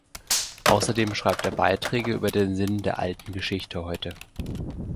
Außerdem schreibt er Beiträge über den Sinn der Alten Geschichte heute.